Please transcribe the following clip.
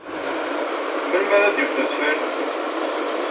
Melmi ara d-iwet udfel?